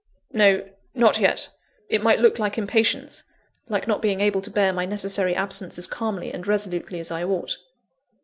No not yet. It might look like impatience, like not being able to bear my necessary absence as calmly and resolutely as I ought.